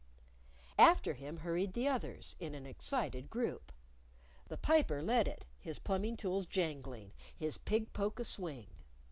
_" After him hurried the others in an excited group. The Piper led it, his plumbing tools jangling, his pig poke a swing.